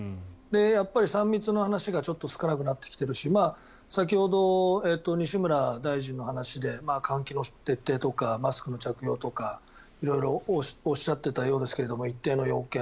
やっぱり３密の話が聞かなくなってきているし先ほど、西村大臣の話で換気の徹底とかマスクの着用とか色々おっしゃってたようですけれど一定の要件。